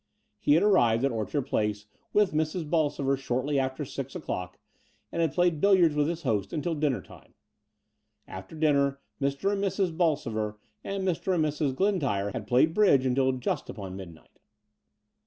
He had arrived at Orchard Place with Mrs. Bolsover shortly after six o'clock, and had played billiards with his host imtil dinner time. After dinner Mr. and Mrs. Bolsover and Mr. and Mrs. Glentyre had played bridge until just upon midnight.